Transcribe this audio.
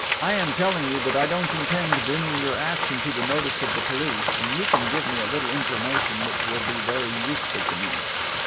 I am telling you that I don't intend bringing your action to the notice of the police, and you can give me a little information which will be very useful to me."